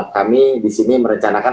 kami disini merencanakan